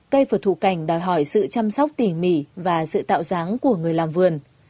cây vượt thủ cảnh đòi hỏi sự chăm sóc tỉ mỉ và sự tạo dáng của người làm vườn